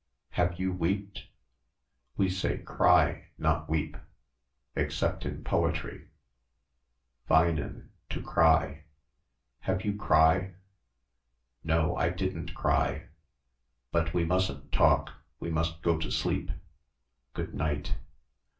"Have you weeped?" "We say cry, not weep, except in poetry weinen, to cry." "Have you cry?" "No, I didn't cry. But we mustn't talk. We must go to sleep. Good night."